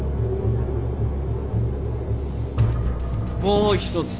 もう一つ。